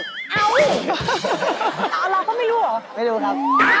เอาเราก็ไม่รู้เหรอไม่รู้ครับ